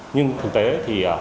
nhưng thực tế thì